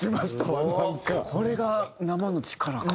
これが生の力か。